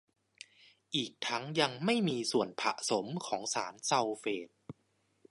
อีกทั้งยังไม่มีส่วนผสมของสารซัลเฟต